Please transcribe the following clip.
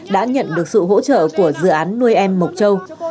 đã nhận được sự hỗ trợ của dự án nuôi em mộc châu